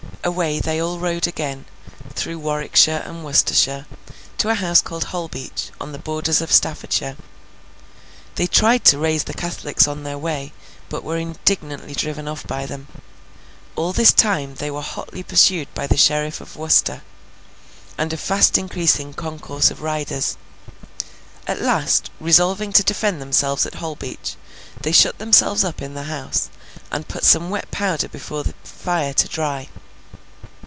Away they all rode again, through Warwickshire and Worcestershire, to a house called Holbeach, on the borders of Staffordshire. They tried to raise the Catholics on their way, but were indignantly driven off by them. All this time they were hotly pursued by the sheriff of Worcester, and a fast increasing concourse of riders. At last, resolving to defend themselves at Holbeach, they shut themselves up in the house, and put some wet powder before the fire to dry.